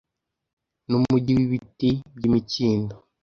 n’umugi w’ibiti by’imikindo